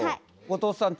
後藤さん